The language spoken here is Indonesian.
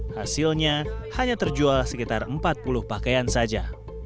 hasilnya hanya terjual sekitar empat puluh pakaian saja